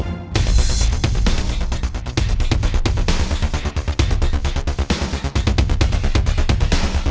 terima kasih udah nonton